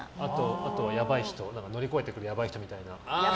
あと乗り越えてくるやばい人みたいな。